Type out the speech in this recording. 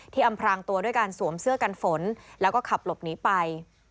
อำพรางตัวด้วยการสวมเสื้อกันฝนแล้วก็ขับหลบหนีไป